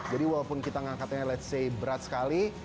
jadi walaupun kita ngangkatnya let's say berat sekali